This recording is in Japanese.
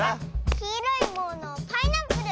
「きいろいものパイナップル！」